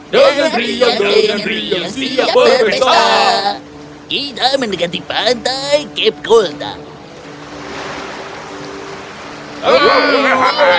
dengan riang riang siap berpesta